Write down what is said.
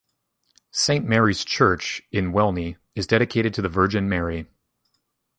Saint Mary's Church in Welney is dedicated to the Virgin Mary.